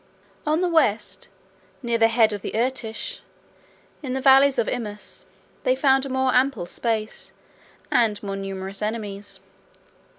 On the West, near the head of the Irtish, in the valleys of Imaus, they found a more ample space, and more numerous enemies.